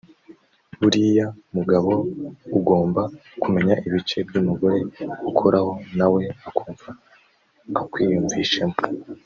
Buriya mugabo ugomba kumenya ibice by’umugore ukoraho na we akumva akwiyumvishemo